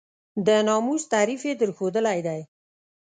د ناموس تعریف یې درښودلی دی.